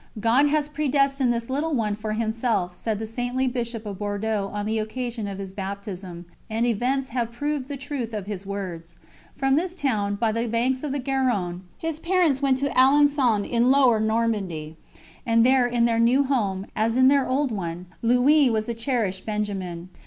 "God has predestined this little one for Himself," said the saintly Bishop of Bordeaux on the occasion of his baptism, and events have proved the truth of his words. From this town, by the banks of the Garonne, his parents went to Alençon in lower Normandy, and there in their new home, as in their old one, Louis was the cherished Benjamin.